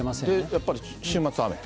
やっぱり週末は雨？